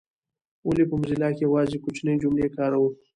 ولي په موزیلا کي یوازي کوچنۍ جملې کاروو؟